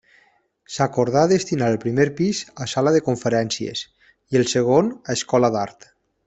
S'acordà destinar el primer pis a sala de conferències i el segon a escola d'art.